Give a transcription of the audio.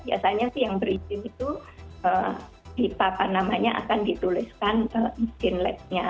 biasanya sih yang beristim itu di papan namanya akan dituliskan izin labnya